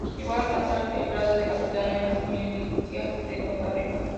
Llegó a alcanzar el grado de capitán en las milicias de Costa Rica.